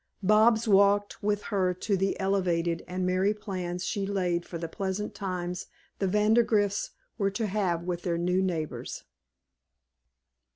Bobs walked with her to the elevated, and merry plans she laid for the pleasant times the Vandergrifts were to have with their new neighbors.